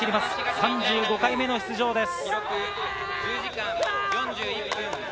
３５回目の出場です。